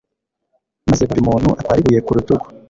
maze buri muntu atware ibuye ku rutugu